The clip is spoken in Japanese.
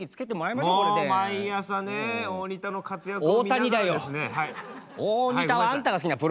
大谷。